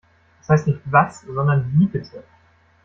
Es heißt nicht “Was“ sondern “Wie bitte“